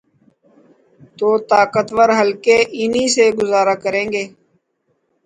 توطاقتور حلقے انہی سے گزارا کریں گے۔